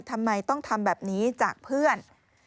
ทำไมต้องทำแบบนี้จากเพื่อน